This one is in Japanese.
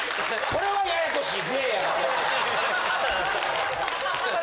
これはややこしい。